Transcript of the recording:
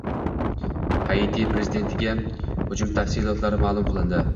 Haiti prezidentiga hujum tafsilotlari ma'lum qilindi